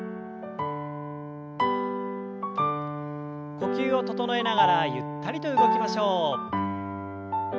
呼吸を整えながらゆったりと動きましょう。